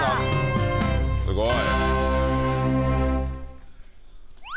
すごい。